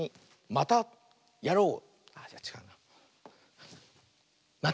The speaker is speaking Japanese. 「またやろう！」。